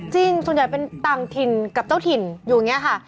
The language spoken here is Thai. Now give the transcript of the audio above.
ส่วนใหญ่เป็นต่างถิ่นกับเจ้าถิ่นอยู่อย่างนี้ค่ะ